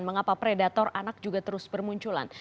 dan ini hanya sebagian